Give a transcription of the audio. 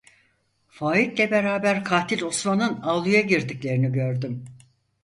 Faik'le beraber Katil Osman'ın avluya girdiklerini gördüm.